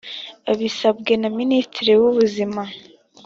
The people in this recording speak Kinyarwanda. abisabwe na minisitiri w ubuzima